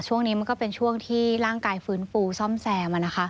ช่วงนี้มันก็เป็นช่วงที่ร่างกายฟื้นฟูซ่อมแซร์มานะคะ